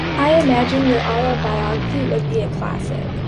I imagine your autobiography would be a classic.